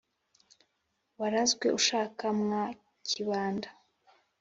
warazwe ushaka mwa kibanda.